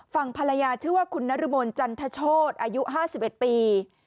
ฝั่งภรรยาชื่อว่าคุณนรมนจันทโชธอายุ๕๑ปี